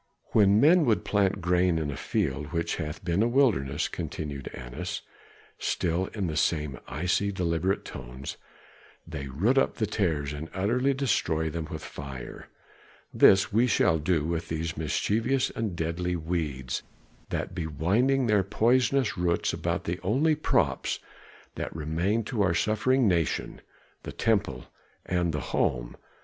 "When men would plant grain in a field which hath been a wilderness," continued Annas, still in the same icy, deliberate tones, "they root up the tares and utterly destroy them with fire. This shall we do with these mischievous and deadly weeds that be winding their poisonous roots about the only props that remain to our suffering nation, the temple and the home.